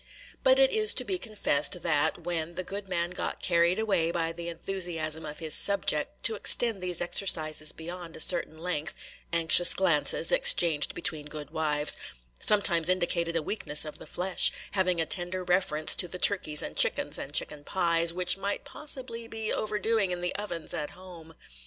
But it is to be confessed, that, when the good man got carried away by the enthusiasm of his subject to extend these exercises beyond a certain length, anxious glances, exchanged between good wives, sometimes indicated a weakness of the flesh, having a tender reference to the turkeys and chickens and chicken pies, which might possibly be overdoing in the ovens at home.